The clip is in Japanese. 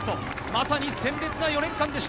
まさに鮮烈な４年間でした。